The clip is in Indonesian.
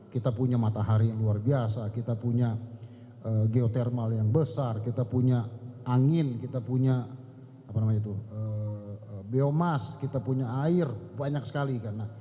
kita punya matahari yang luar biasa kita punya geotermal yang besar kita punya angin kita punya biomas kita punya air banyak sekali